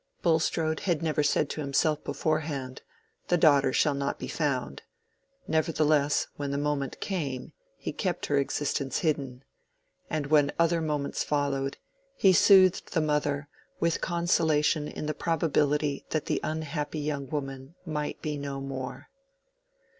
Bulstrode had never said to himself beforehand, "The daughter shall not be found"—nevertheless when the moment came he kept her existence hidden; and when other moments followed, he soothed the mother with consolation in the probability that the unhappy young woman might be no more.